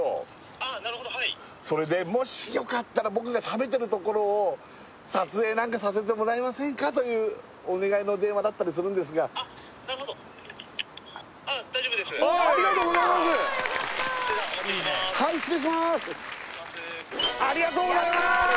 ☎あっなるほどはいそれでもしよかったら僕が食べてるところを撮影なんかさせてもらえませんかというお願いの電話だったりするんですがああありがとうございますありがとうございます！